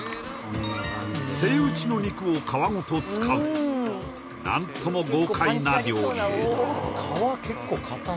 セイウチの肉を皮ごと使う何とも豪快な料理